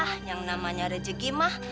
yah yang namanya rezeki mah